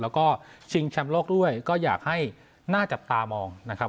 แล้วก็ชิงแชมป์โลกด้วยก็อยากให้น่าจับตามองนะครับ